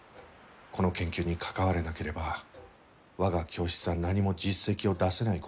この研究に関われなければ我が教室は何も実績を出せないことになる。